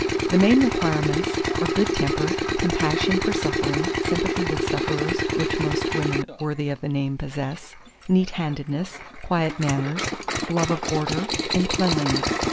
The main requirements are good temper, compassion for suffering, sympathy with sufferers, which most women worthy of the name possess, neat handedness, quiet manners, love of order, and cleanliness.